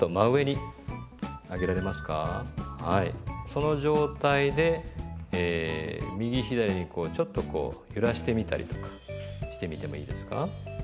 その状態で右左にこうちょっとこう揺らしてみたりとかしてみてもいいですか。